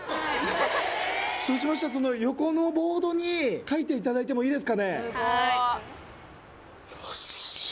そうしましたら横のボードに書いていただいてもいいですかねはいよし！